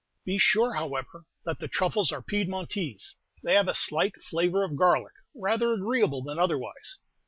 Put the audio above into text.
Be sure, however, that the truffles are Piedmontese; they have a slight flavor of garlic, rather agreeable than otherwise.